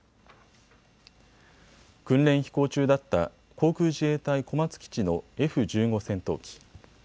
訓練飛行中だった航空自衛隊小松基地のＦ１５戦闘機。